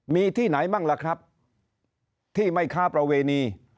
มีที่ไหนบ้างล่ะครับที่ไม่ค้าประเวณี